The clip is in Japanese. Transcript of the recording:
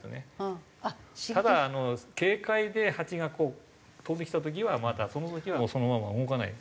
ただ警戒でハチがこう飛んできた時はまたその時はもうそのまま動かない。